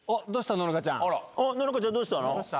乃々佳ちゃんどうしたの？